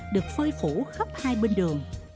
được phơi phủ khắp hai bên đường